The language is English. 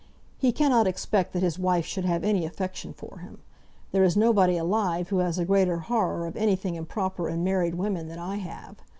He cannot expect that his wife should have any affection for him. There is nobody alive who has a greater horror of anything improper in married women than I have.